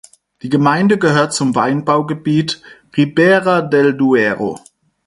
Die Gemeinde gehört zum Weinbaugebiet "Ribera del Duero".